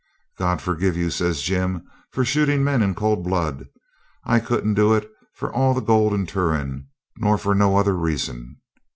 'God forgive you!' says Jim, 'for shooting men in cold blood. I couldn't do it for all the gold in Turon, nor for no other reason.